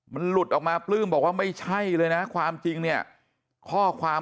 มันหลุดออกมาปลื้มบอกว่าไม่ใช่เลยนะความจริงเนี่ยข้อความ